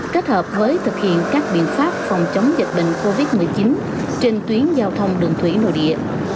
kết hợp với thực hiện các biện pháp phòng chống dịch bệnh covid một mươi chín trên tuyến giao thông đường thủy nội địa